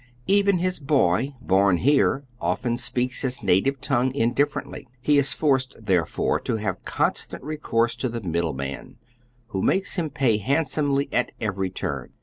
Even his boy, born here, often speaks liis native tongue indifferently, lie is forced, therefore, to have constant recourse to the middle man, who makes him pay handsomely at every turn.